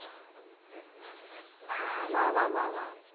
まあまあまあまあね。